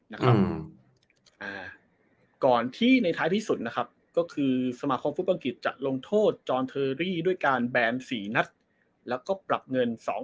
แม้ว่าการไตรสวนของสมาครองฟูกังกิจจะยัง